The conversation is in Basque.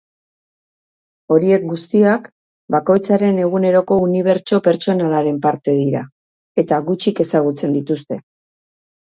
Horiek guztiak bakoitzaren eguneroko unibertso pertsonalaren parte dira, eta gutxik ezagutzen dituzte.